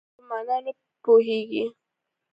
خپله په مانا نه پوهېږي.